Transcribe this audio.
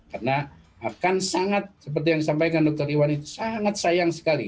karena akan sangat seperti yang disampaikan dr iwan itu sangat sayang sekali